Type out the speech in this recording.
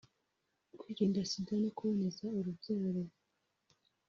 kwirinda Sida no kuboneza urubyaro